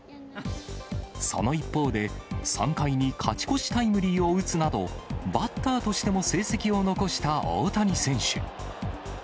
その一方で、３回に勝ち越しタイムリーを打つなど、バッターとしても成績を残した大谷選手。